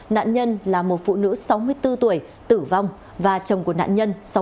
nạn nhân là một phụ nữ sáu mươi bốn tuổi tử vong và chồng của nạn nhân